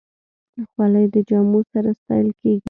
خولۍ د جامو سره ستایل کېږي.